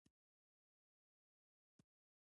افغانستان د د کلیزو منظره لپاره مشهور دی.